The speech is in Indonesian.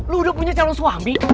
lu udah punya calon suami